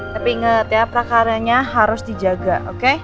tapi inget ya prakaranya harus dijaga oke